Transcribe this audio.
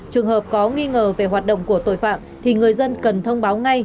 trường hợp có nghi ngờ về hoạt động của tội phạm thì người dân cần thông báo ngay